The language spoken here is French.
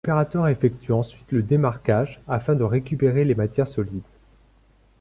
L'opérateur effectue ensuite le démarcage, afin de récupérer les matières solides.